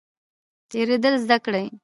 تیریدل زده کړئ